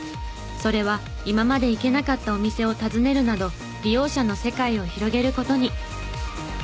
それは今まで行けなかったお店を訪ねるなど利用者の世界を広げる事に。